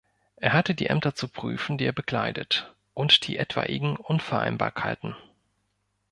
Er hatte die Ämter zu prüfen, die er bekleidet, und die etwaigen Unvereinbarkeiten.